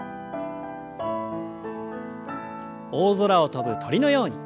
大空を飛ぶ鳥のように。